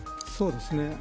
そうですね。